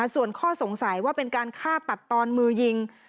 ส่วนข้อสงสัยว่าเป็นการฆ่าตัดตอนมือยิง